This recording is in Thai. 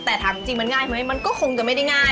แต่ถามจริงมันง่ายไหมมันก็คงจะไม่ได้ง่าย